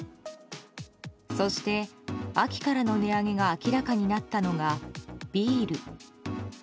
そして、秋からの値上げが明らかになったのがビール。